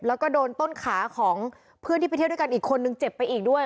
แล้วก็โดนต้นขาของเพื่อนที่ไปเที่ยวด้วยกันอีกคนนึงเจ็บไปอีกด้วย